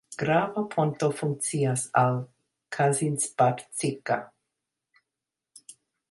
Grava ponto funkcias al Kazincbarcika.